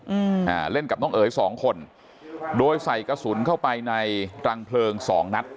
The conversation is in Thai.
อืมอ่าเล่นกับน้องเอ๋ยสองคนโดยใส่กระสุนเข้าไปในรังเพลิงสองนัด